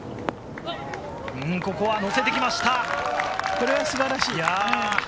これは素晴らしい。